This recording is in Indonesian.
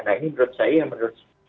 nah ini menurut saya yang menurut saya